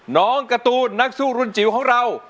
การ์ตูนนักสู้รุ่นจิ๋วของเรา